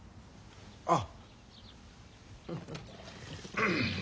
あっ。